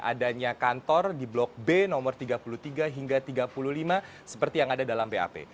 adanya kantor di blok b nomor tiga puluh tiga hingga tiga puluh lima seperti yang ada dalam bap